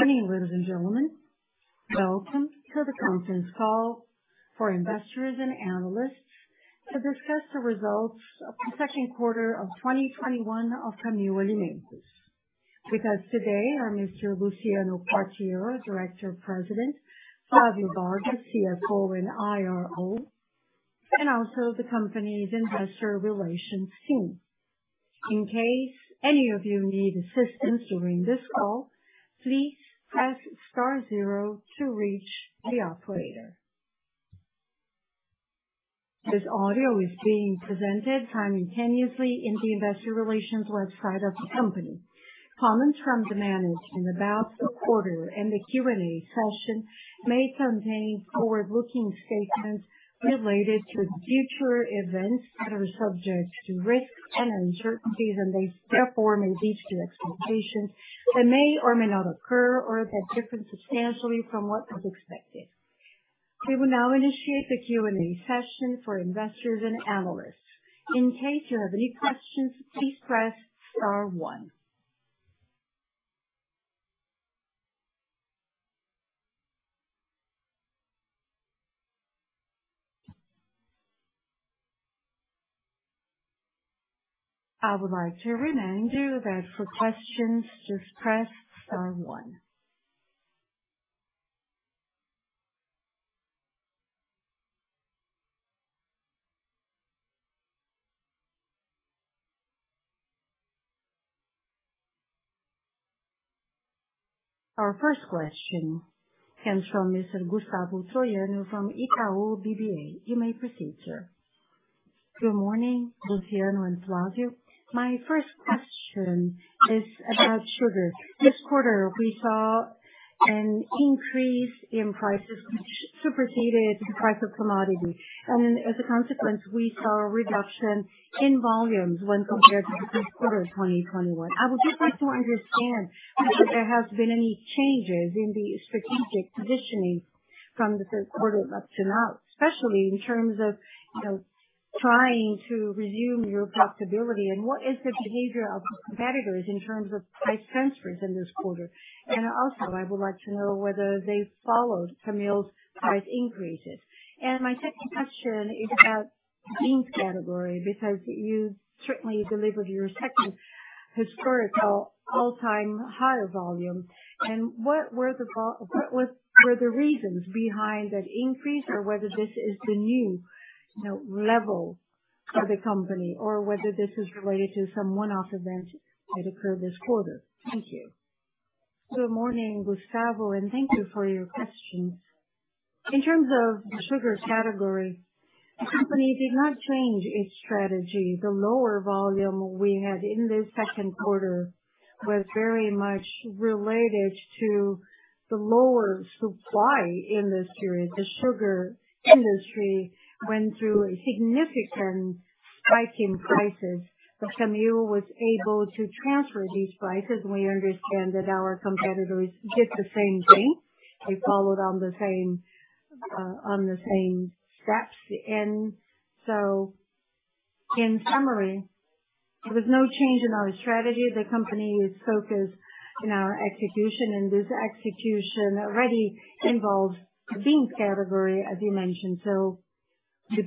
Good evening, ladies and gentlemen. Welcome to the conference call for investors and analysts to discuss the results of the second quarter of 2021 of Camil Alimentos. With us today are Mr. Luciano Quartiero, Director, President, Flavio Vargas, CFO and IRO, and also the company's investor relations team. In case any of you need assistance during this call, please press star zero to reach the operator. This audio is being presented simultaneously in the investor relations website of the company. Comments from management about the quarter and the Q&A session may contain forward-looking statements related to future events that are subject to risks and uncertainties, and therefore may lead to expectations that may or may not occur or that differ substantially from what is expected. We will now initiate the Q&A session for investors and analysts. In case you have any questions, please press star one. I would like to remind you that for questions, just press star one. Our first question comes from Mr. Gustavo Troyano from Itaú BBA. You may proceed, sir. Good morning, Luciano and Flavio. My first question is about sugar. This quarter, we saw an increase in prices which superseded the price of commodity, and as a consequence, we saw a reduction in volumes when compared to the first quarter of 2021. I would just like to understand if there has been any changes in the strategic positioning from the first quarter up to now, especially in terms of trying to resume your profitability, and what is the behavior of competitors in terms of price transfers in this quarter. Also, I would like to know whether they followed Camil's price increases. My second question is about beans category, because you certainly delivered your second historical all-time higher volume, and what were the reasons behind that increase or whether this is the new level for the company or whether this is related to some one-off event that occurred this quarter. Thank you. Good morning, Gustavo, and thank you for your questions. In terms of the sugar category, the company did not change its strategy. The lower volume we had in this second quarter was very much related to the lower supply in this period. The sugar industry went through a significant spike in prices, but Camil was able to transfer these prices, and we understand that our competitors did the same thing. They followed on the same steps. In summary, there was no change in our strategy. The company is focused in our execution. This execution already involves the beans category, as you mentioned. We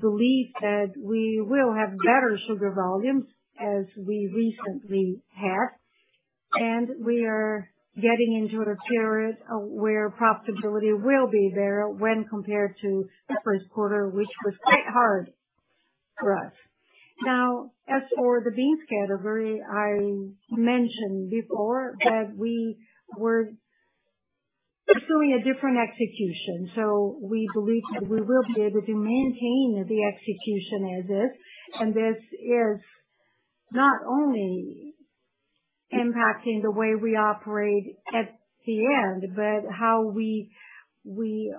believe that we will have better sugar volumes as we recently had. We are getting into a period where profitability will be there when compared to the first quarter, which was quite hard for us. Now, as for the beans category, I mentioned before that we were pursuing a different execution. We believe that we will be able to maintain the execution as is, and this is not only impacting the way we operate at the end, but how we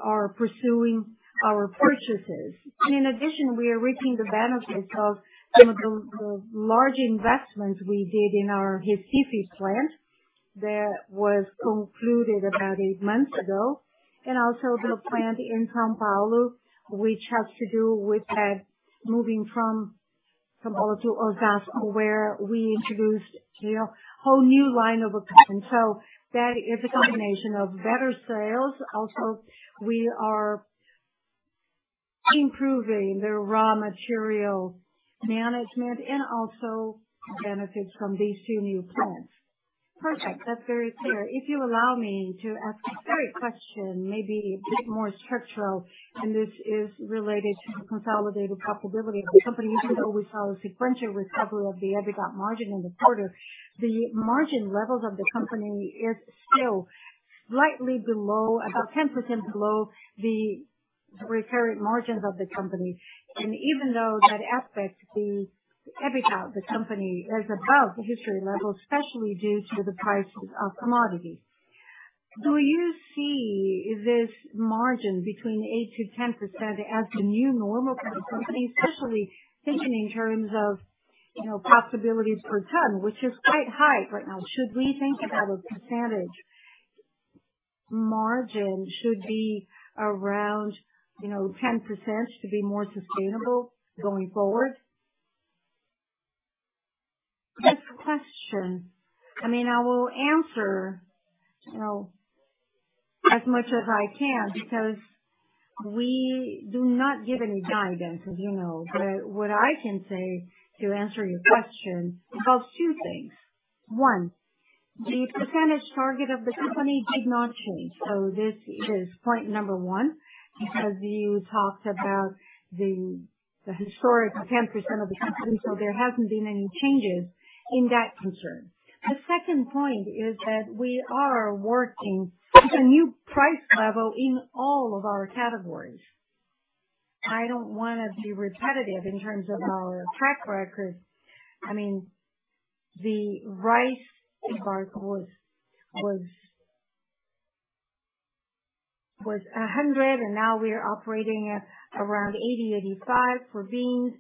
are pursuing our purchases. In addition, we are reaping the benefits of some of the large investments we did in our Recife plant that was concluded about eight months ago, and also the plant in São Paulo, which has to do with that moving from São Paulo to Osasco, where we introduced a whole new line of a plant. That is a combination of better sales. Also, we are improving the raw material management and also benefits from these two new plants. Perfect. That's very clear. If you allow me to ask a third question, maybe a bit more structural, and this is related to the consolidated profitability of the company. Even though we saw a sequential recovery of the EBITDA margin in the quarter, the margin levels of the company is still slightly below, about 10% below the recurring margins of the company. Even though that affects the EBITDA of the company is above the history level, especially due to the prices of commodities. Do you see this margin between 8% to 10% as the new normal for the company, especially thinking in terms of profitability per ton, which is quite high right now? Should we think that a percentage margin should be around 10% to be more sustainable going forward? This question, I will answer as much as I can because we do not give any guidance, as you know. What I can say to answer your question involves two things. One, the percentage target of the company did not change. This is point number one because you talked about the historic 10% of the company. There hasn't been any changes in that concern. The second point is that we are working with a new price level in all of our categories. I don't want to be repetitive in terms of our track record. The rice part was 100, and now we are operating at around 80, 85. For beans,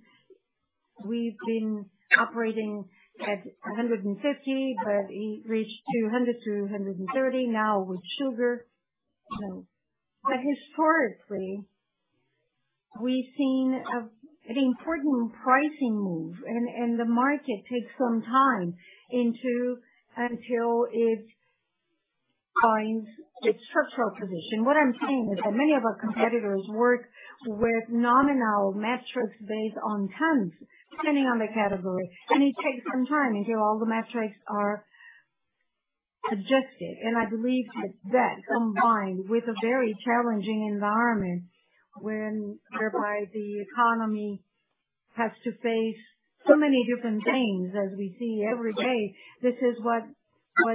we've been operating at 150, but it reached 200, 230. Now with sugar, historically, we've seen an important pricing move, and the market takes some time until it finds its structural position. What I'm saying is that many of our competitors work with nominal metrics based on tons, depending on the category, and it takes some time until all the metrics are adjusted. I believe it's that combined with a very challenging environment whereby the economy has to face so many different things as we see every day. This is what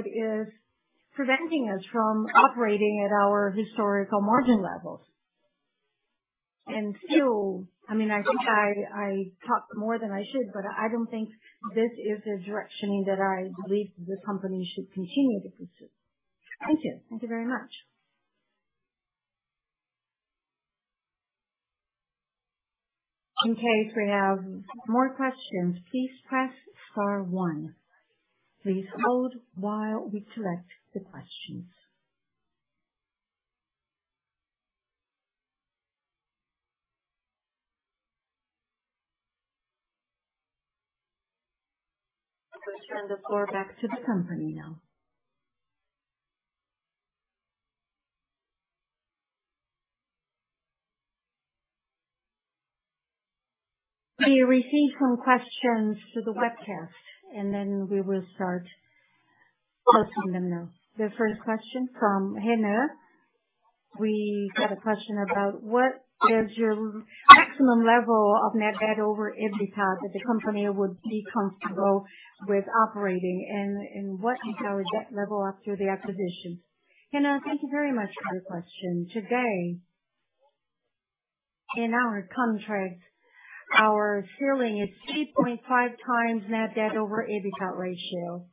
is preventing us from operating at our historical margin levels. Still, I think I talked more than I should, but I don't think this is a direction that I believe the company should continue to pursue. Thank you. Thank you very much. In case we have more questions, please press star one. Please hold while we collect the questions. We turn the floor back to the company now. We received some questions through the webcast, then we will start answering them now. The first question from Hannah. We got a question about what is your maximum level of net debt over EBITDA that the company would be comfortable with operating, and what is our debt level after the acquisition? Hannah, thank you very much for your question. Today, in our contracts, our ceiling is 3.5x net debt over EBITDA ratio,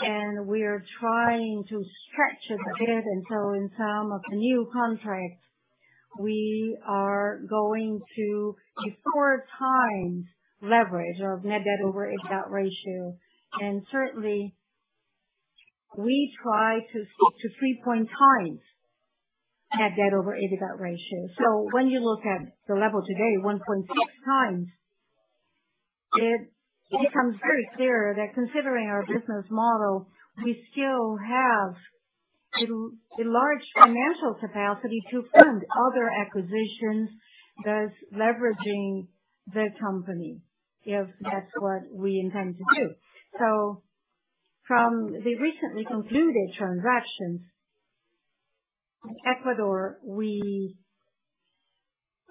and we are trying to stretch it a bit until in some of the new contracts, we are going to 4x leverage of net debt over EBITDA ratio. Certainly, we try to stick to 3x net debt over EBITDA ratio. When you look at the level today, 1.6x, it becomes very clear that considering our business model, we still have a large financial capacity to fund other acquisitions, thus leveraging the company, if that's what we intend to do. From the recently concluded transactions in Ecuador,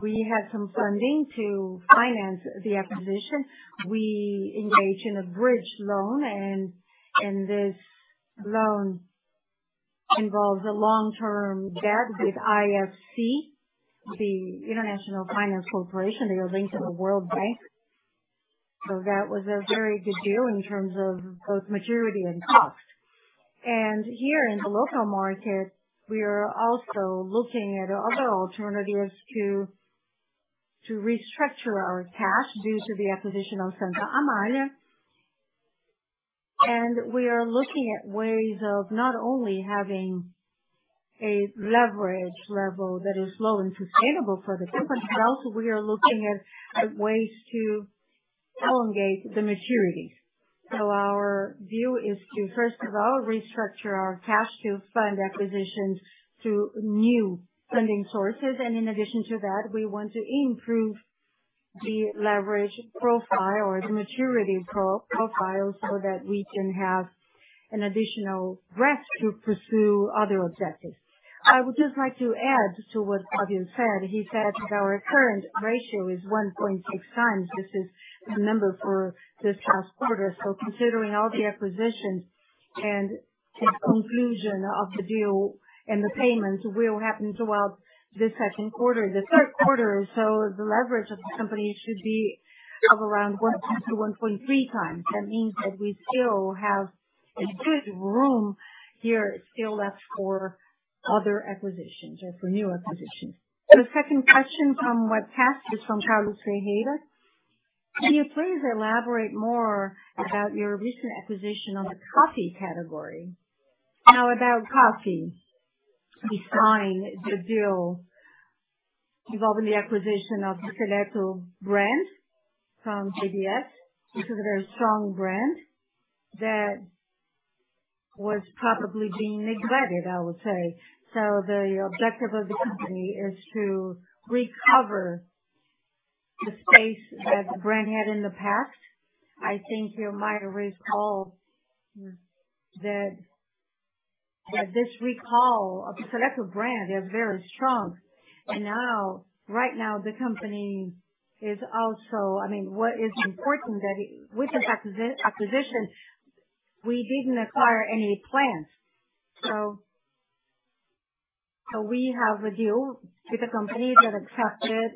we had some funding to finance the acquisition. We engaged in a bridge loan, and this loan involves a long-term debt with IFC, the International Finance Corporation. They are linked to the World Bank. That was a very good deal in terms of both maturity and cost. Here in the local market, we are also looking at other alternatives to restructure our cash due to the acquisition of Santa Amália. We are looking at ways of not only having a leverage level that is low and sustainable for the company, but also we are looking at ways to elongate the maturities. Our view is to, first of all, restructure our cash to fund acquisitions through new funding sources. In addition to that, we want to improve the leverage profile or the maturity profile so that we can have an additional breath to pursue other objectives. I would just like to add to what Flavio said. He said that our current ratio is 1.6x. This is the number for this past quarter. Considering all the acquisitions and the conclusion of the deal and the payments will happen throughout this second quarter, the third quarter, the leverage of the company should be of around 1.2x-1.3x. That means that we still have a good room here still left for other acquisitions or for new acquisitions. The second question from webcast is from Carlos Tejeda. Can you please elaborate more about your recent acquisition on the coffee category? Now about coffee, we signed the deal involving the acquisition of the Seleto brand from JDE. This is a very strong brand that was probably being neglected, I would say. The objective of the company is to recover the space that the brand had in the past. I think you might recall that this recall of Seleto brand is very strong. Now, right now, what is important that with this acquisition, we didn't acquire any plants. We have a deal with a company that accepted,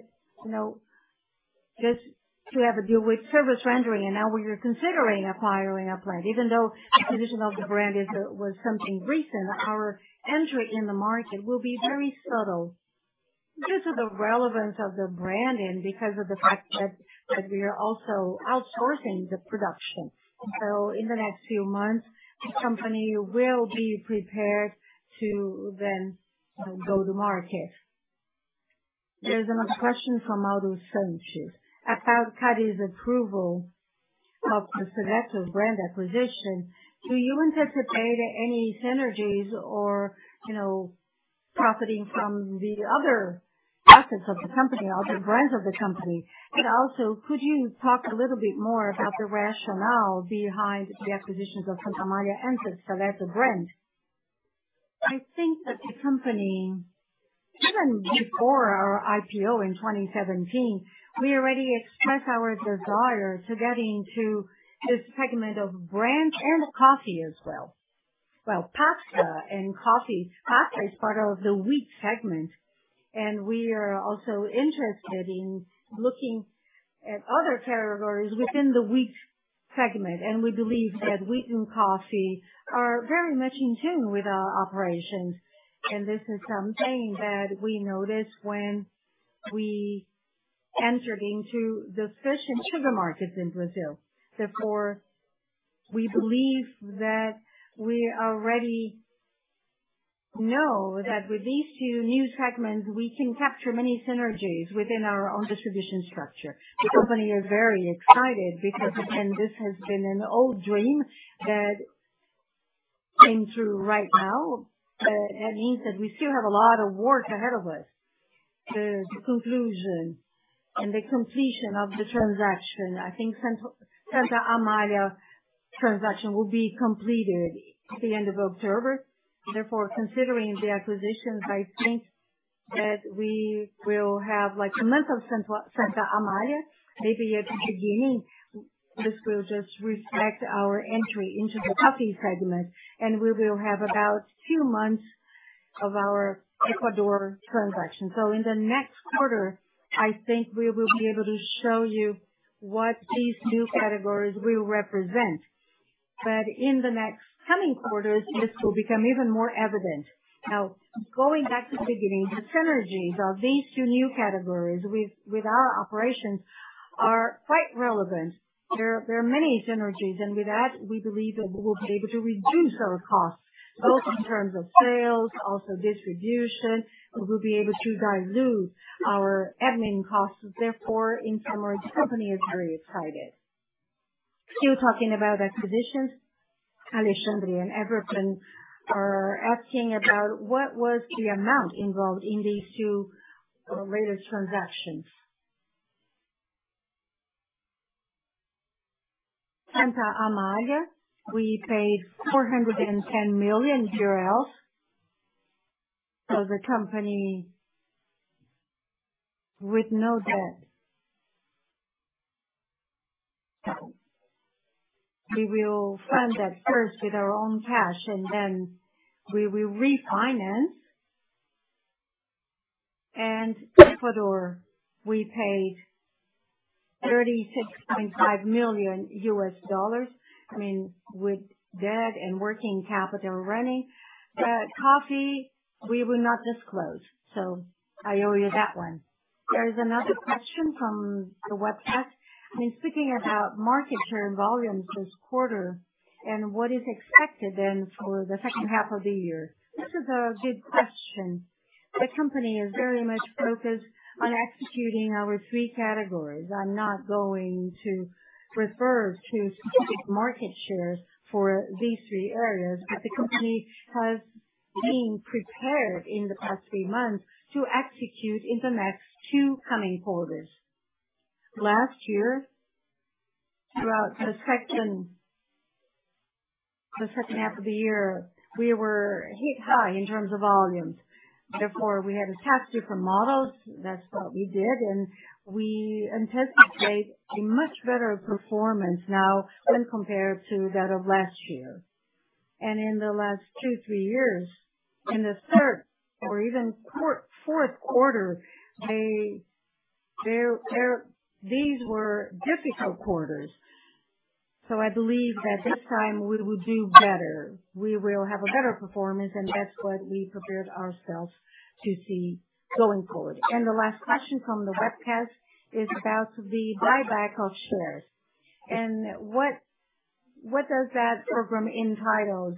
just to have a deal with service rendering. Now we are considering acquiring a plant. Even though the acquisition of the brand was something recent, our entry in the market will be very subtle due to the relevance of the branding, because of the fact that we are also outsourcing the production. In the next few months, the company will be prepared to then go to market. There's another question from [Mauro Sanchez] about CADE's approval of the Seleto's brand acquisition. Do you anticipate any synergies or profiting from the other assets of the company or other brands of the company? Could you talk a little bit more about the rationale behind the acquisitions of Santa Amália and the Seleto brand? I think that the company, even before our IPO in 2017, we already expressed our desire to get into this segment of brand and coffee as well. Well, pasta and coffee. Pasta is part of the wheat segment. We are also interested in looking at other categories within the wheat segment. We believe that wheat and coffee are very much in tune with our operations. This is something that we noticed when we entered into the fish and sugar markets in Brazil. We believe that we already know that with these two new segments, we can capture many synergies within our own distribution structure. The company is very excited because, again, this has been an old dream that came true right now. That means that we still have a lot of work ahead of us. The conclusion and the completion of the transaction. I think Santa Amália transaction will be completed at the end of October. Considering the acquisitions, I think that we will have like one month of Santa Amália. Maybe at the beginning, this will just reflect our entry into the coffee segment, and we will have about two months of our Ecuador transaction. In the next quarter, I think we will be able to show you what these new categories will represent. In the next coming quarters, this will become even more evident. Going back to the beginning, the synergies of these two new categories with our operations are quite relevant. There are many synergies. With that, we believe that we will be able to reduce our costs, both in terms of sales, also distribution. We'll be able to dilute our admin costs. Therefore, in summary, the company is very excited. Still talking about acquisitions. [Alexandre] and Everton are asking about what was the amount involved in these two latest transactions. Santa Amália, we paid BRL 410 million. The company with no debt. We will fund that first with our own cash. Then we will refinance. Ecuador, we paid $36.5 million, with debt and working capital running. The coffee we will not disclose. I owe you that one. There is another question from the webcast. It's speaking about market share volumes this quarter and what is expected then for the second half of the year. This is a good question. The company is very much focused on executing our three categories. I'm not going to refer to specific market shares for these three areas, but the company has been prepared in the past three months to execute in the next two coming quarters. Last year, throughout the second half of the year, we were hit high in terms of volumes. Therefore, we had to test different models. That's what we did, and we anticipate a much better performance now when compared to that of last year. In the last two, three years, in the third or even fourth quarter, these were difficult quarters. I believe that this time we will do better. We will have a better performance, and that's what we prepared ourselves to see going forward. The last question from the webcast is about the buyback of shares and What does that program entitled,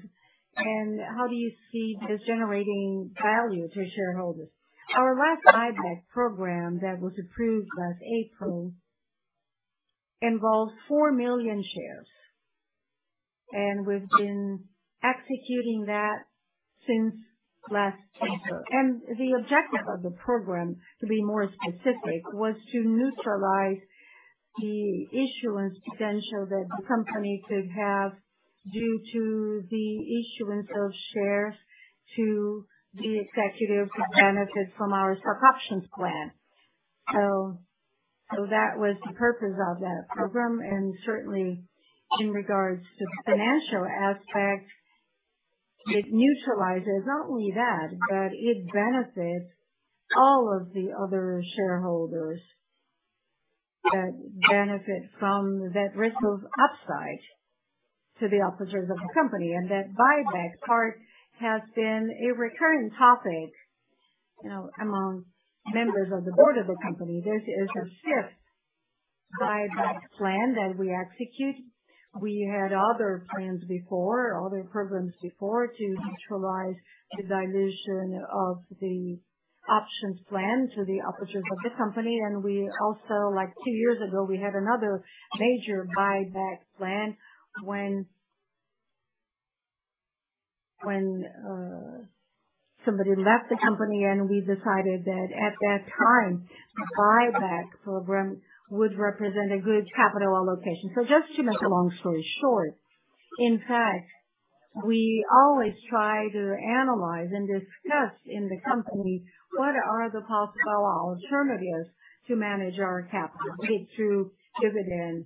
and how do you see this generating value to shareholders? Our last buyback program that was approved last April involves 4 million shares, and we've been executing that since last April. The objective of the program, to be more specific, was to neutralize the issuance potential that the company could have due to the issuance of shares to the executives who benefit from our stock options plan. That was the purpose of that program, and certainly in regards to the financial aspect, it neutralizes not only that, but it benefits all of the other shareholders that benefit from that risk of upside to the officers of the company. That buyback part has been a recurring topic among members of the board of the company. This is the fifth buyback plan that we execute. We had other plans before, other programs before to neutralize the dilution of the options plan to the officers of the company. We also, two years ago, we had another major buyback plan when somebody left the company, and we decided that at that time, the buyback program would represent a good capital allocation. Just to make a long story short, in fact, we always try to analyze and discuss in the company what are the possible alternatives to manage our capital, be it through dividend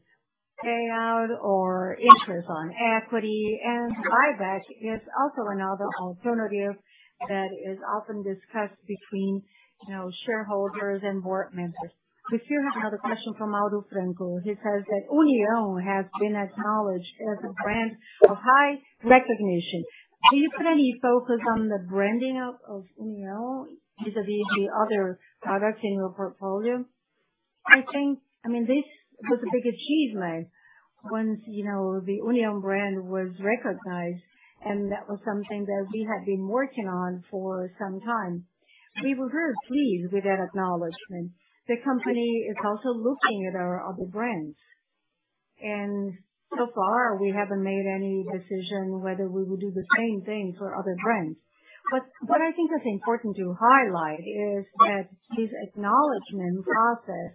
payout or interest on equity. Buyback is also another alternative that is often discussed between shareholders and Board members. We still have another question from [Aldo Franco]. He says that União has been acknowledged as a brand of high recognition. Do you plan any focus on the branding of União vis-à-vis the other products in your portfolio? I think this was a big achievement once the União brand was recognized, and that was something that we had been working on for some time. We were very pleased with that acknowledgment. The company is also looking at our other brands. So far we haven't made any decision whether we will do the same thing for other brands. What I think is important to highlight is that this acknowledgment process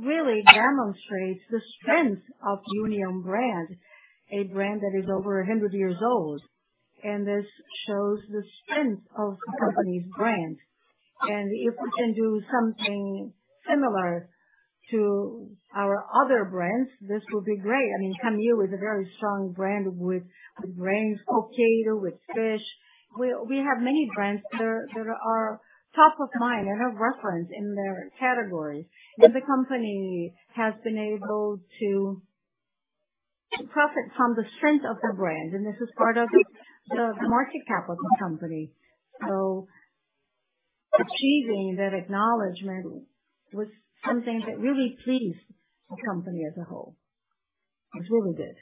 really demonstrates the strength of União brand, a brand that is over 100 years old. This shows the strength of the company's brand. If we can do something similar to our other brands, this will be great. Camil is a very strong brand with the brand Coqueiro, with Fish. We have many brands that are top of mind and are referenced in their categories, and the company has been able to profit from the strength of the brand, and this is part of the market capital company. Achieving that acknowledgment was something that really pleased the company as a whole. It really did.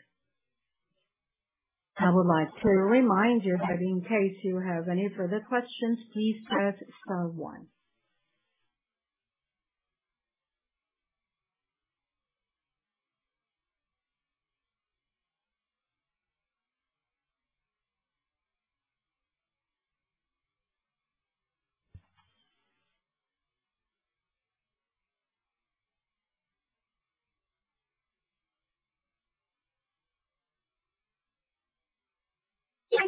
I would like to remind you that in case you have any further questions, please press star one.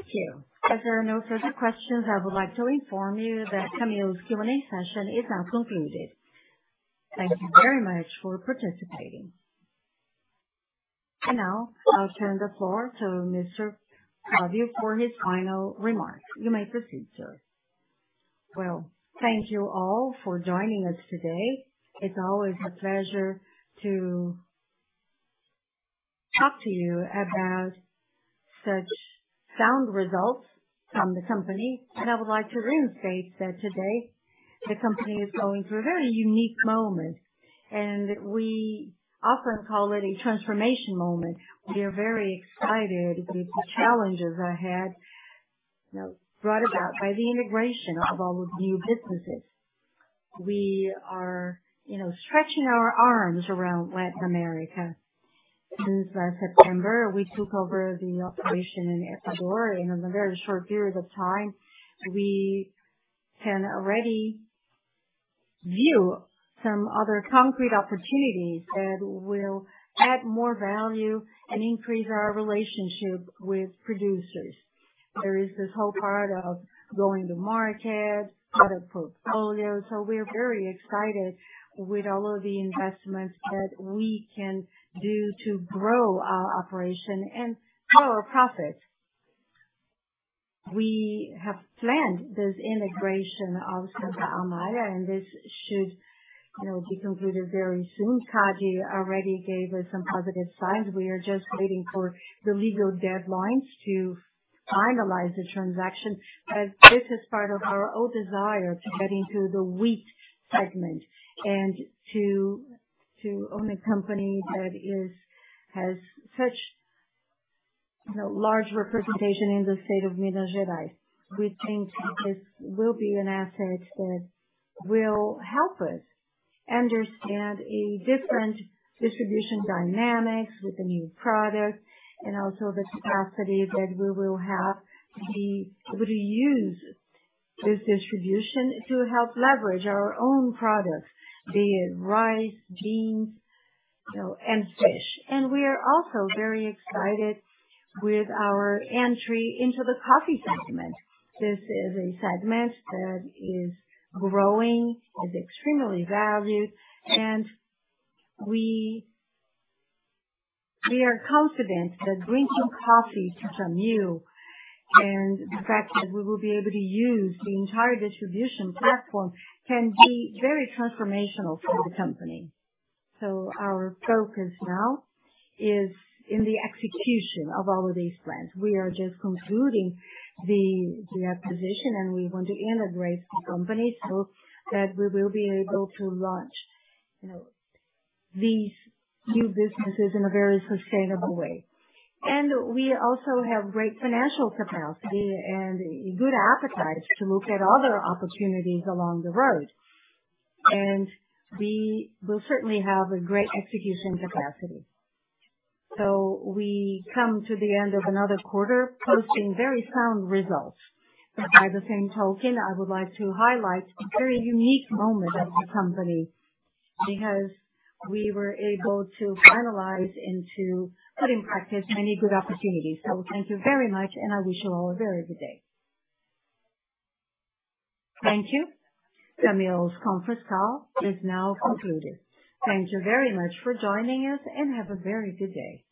Thank you. As there are no further questions, I would like to inform you that Camil's Q&A session is now concluded. Thank you very much for participating. Now I'll turn the floor to Mr. Flavio for his final remarks. You may proceed, sir. Well, thank you all for joining us today. It's always a pleasure to talk to you about such sound results from the company, and I would like to reinstate that today, the company is going through a very unique moment, and we often call it a transformation moment. We are very excited with the challenges ahead, brought about by the integration of all of the new businesses. We are stretching our arms around Latin America. Since last September, we took over the operation in Ecuador, and in a very short period of time, we can already view some other concrete opportunities that will add more value and increase our relationship with producers. There is this whole part of going to market, product portfolio. We are very excited with all of the investments that we can do to grow our operation and grow our profits. We have planned this integration of Santa Amália. This should be concluded very soon. CADE already gave us some positive signs. We are just waiting for the legal deadlines to finalize the transaction, as this is part of our own desire to get into the wheat segment and to own a company that has such large representation in the state of Minas Gerais. We think that this will be an asset that will help us understand a different distribution dynamic with the new product, and also the capacity that we will have to be able to use this distribution to help leverage our own products, be it rice, beans, and fish. We are also very excited with our entry into the coffee segment. This is a segment that is growing, is extremely valued, and we are confident that bringing coffee to Camil and the fact that we will be able to use the entire distribution platform can be very transformational for the company. Our focus now is in the execution of all of these plans. We are just concluding the acquisition, and we want to integrate the company so that we will be able to launch these new businesses in a very sustainable way. We also have great financial capacity and good appetite to look at other opportunities along the road. We will certainly have a great execution capacity. We come to the end of another quarter posting very sound results. By the same token, I would like to highlight a very unique moment at the company because we were able to finalize and to put in practice many good opportunities. Thank you very much, and I wish you all a very good day. Thank you. Camil's conference call is now concluded. Thank you very much for joining us, and have a very good day.